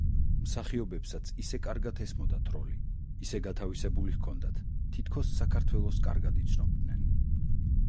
მსახიობებსაც ისე კარგად ესმოდათ როლი, ისე გათავისებული ჰქონდათ, თითქოს საქართველოს კარგად იცნობდნენ.